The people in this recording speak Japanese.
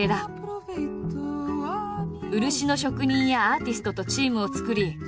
漆の職人やアーティストとチームを作り